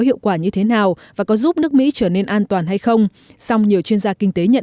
hiệu quả như thế nào và có giúp nước mỹ trở nên an toàn hay không song nhiều chuyên gia kinh tế nhận